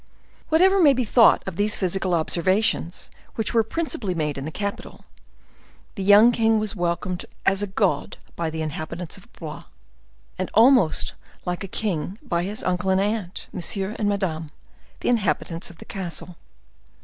Whatever may be thought of these physical observations, which were principally made in the capital, the young king was welcomed as a god by the inhabitants of Blois, and almost like a king by his uncle and aunt, Monsieur and Madame, the inhabitants of the castle.